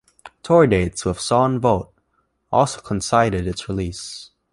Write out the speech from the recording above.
Tour dates with Son Volt also coincided its release.